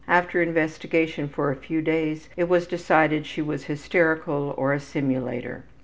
After investigation for a few days, it was decided she was hysterical or a simulator.